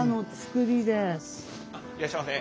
いらっしゃいませ。